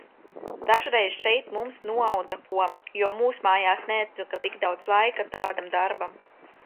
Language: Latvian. Dažreiz šeit mums noauda ko, jo mūsmājās neatlika tik daudz laika tādam darbam.